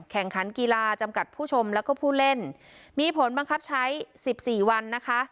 แข่งขันกีฬาจำกัดผู้ชมแล้วก็ผู้เล่นมีผลบังคับใช้๑๔วันนะคะ